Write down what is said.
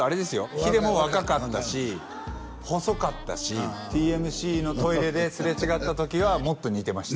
ヒデも若かったし細かったしＴＭＣのトイレですれ違った時はもっと似てました